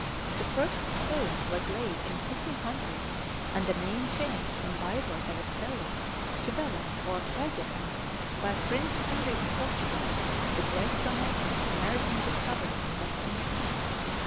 The first stone was laid in 1500, and the name changed from Bairro de Restello to Belem or Bethlehem by Prince Henry of Portugal, the great promoter of maritime discovery in that century.